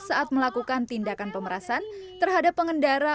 saat melakukan tindakan pemerasan terhadap pengendara